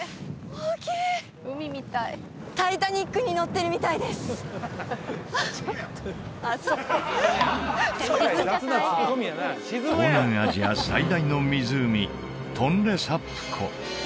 大きい東南アジア最大の湖トンレサップ湖